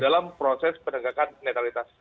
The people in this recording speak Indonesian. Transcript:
dalam proses penegakan netralitas